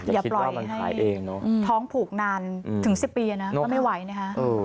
อย่าปล่อยให้ท้องผูกนานถึง๑๐ปีนะก็ไม่ไหวนะฮะ